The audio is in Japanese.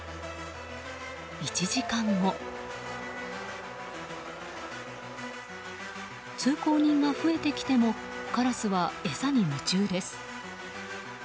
１時間後、通行人が増えてきてもカラスは餌に夢中です。